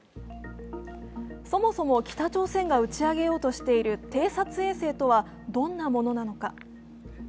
そもそも北朝鮮が打ち上げようとしている偵察衛星とはどんなものなのか。